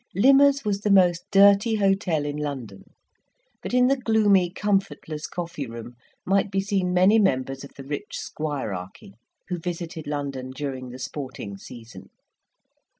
Limmer's was the most dirty hotel in London; but in the gloomy, comfortless coffee room might be seen many members of the rich squirearchy, who visited London during the sporting season.